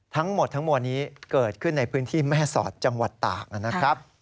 ทั้งหมดทั้งมวลนี้เกิดขึ้นในพื้นที่แม่สอดจังหวัดตากนะครับ